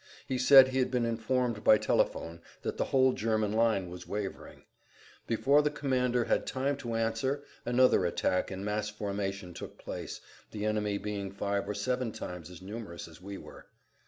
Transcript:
He said he had been informed by telephone that the whole German line was wavering. Before the commander had time to answer another attack in mass formation took place, the enemy being five or seven times as numerous as we were.